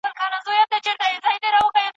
سړي وویل چې هېټلر د نړۍ تر ټولو ستر رهبر دی.